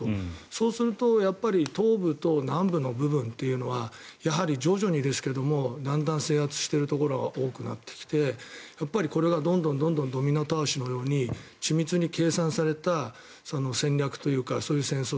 そうすると東部と南部の部分というのはやはり徐々にですけどだんだん制圧しているところが多くなってきてこれがどんどんドミノ倒しのように緻密に計算された戦略というかそういう戦争